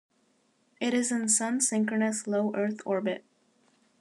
It is in sun synchronous low Earth orbit.